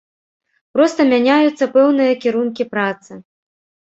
Проста мяняюцца пэўныя кірункі працы.